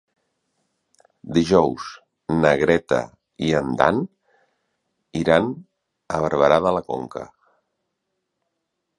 Dijous na Greta i en Dan iran a Barberà de la Conca.